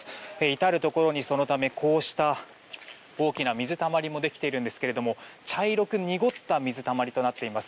至るところにこうした大きな水たまりもできているんですが茶色く濁った水たまりとなっています。